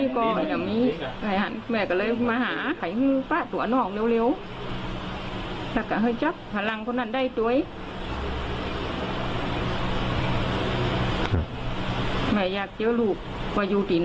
ก็ถั่วนอกเร็ว